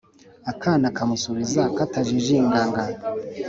akana kamusubiza katajijinganga